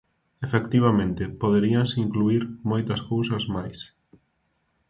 Efectivamente, poderíanse incluír moitas cousas máis.